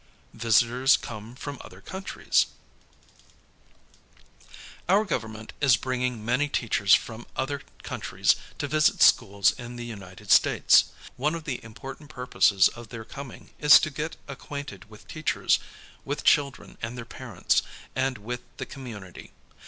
VISITORS COME FROM OTHER COUNTRIES Our Government is bringing many teachers from other countries to visit schools in the LInited States. One of the important purposes of their coming is to get acquainted with teachers, with children and their parents, and with the community.